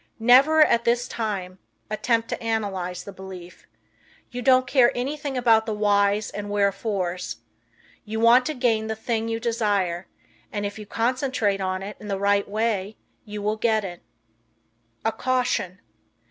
Never, at this time, attempt to analyze the belief. You don't care anything about the whys and wherefores. You want to gain the thing you desire, and if you concentrate on it in the right way you will get it. A Caution.